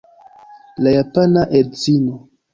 La japana edzino.